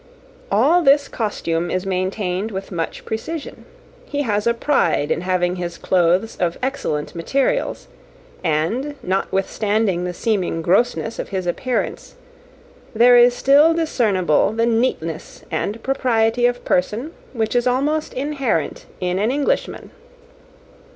All this costume is maintained with much precision; he has a pride in having his clothes of excellent materials; and, notwithstanding the seeming grossness of his appearance, there is still discernible that neatness and propriety of person which is almost inherent in an Englishman.